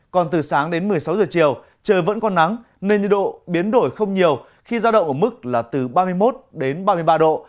còn từ sáng đến một mươi sáu giờ chiều trời vẫn còn nắng nên nhiệt độ biến đổi không nhiều khi giao động ở mức là từ ba mươi một đến ba mươi ba độ